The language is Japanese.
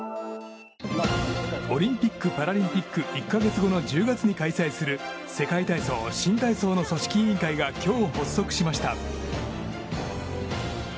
オリンピック・パラリンピック１か月後の１０月に開催する世界体操・新体操の組織委員会が今日、発足しました。